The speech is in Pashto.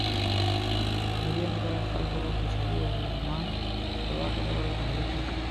جنوبي امریکا خلکو کچالو او لاما په خپلواکه ډول اهلي کړل.